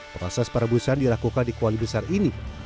proses perebusan dilakukan di kuali besar ini